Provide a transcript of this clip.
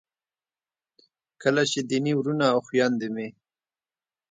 کله چې دیني وروڼه او خویندې مې